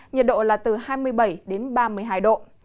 nhiệt độ là từ hai mươi bảy đến ba mươi hai độ